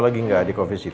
ya singkir yang lu afiskasi